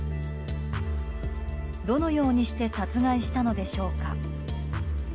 どのようにして殺害したのでしょうか。